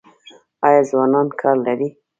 آیا ځوانان کار لري؟